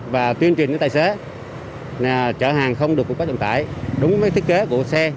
và tuyên truyền đến tài xế là chở hàng không được bộ phát trọng tải đúng với thiết kế của xe